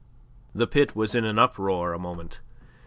The pit was in an uproar a moment.